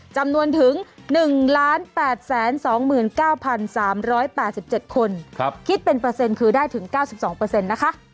จำนวนถึง๑๘๒๙๓๘๗คนคิดเป็นเปอร์เซ็นต์คือได้ถึง๙๒นะคะ